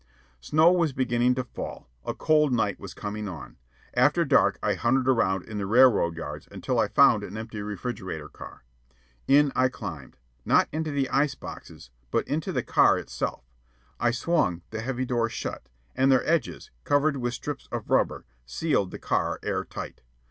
Snow was beginning to fall. A cold night was coming on. After dark I hunted around in the railroad yards until I found an empty refrigerator car. In I climbed not into the ice boxes, but into the car itself. I swung the heavy doors shut, and their edges, covered with strips of rubber, sealed the car air tight.